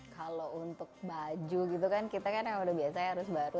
kalau untuk baju gitu kan kita kan yang biasa harus baru